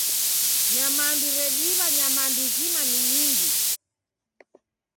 Nyamandu rediw'a nyamandu zima ni nyingi.